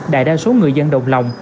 đại đa số người dân đồng lòng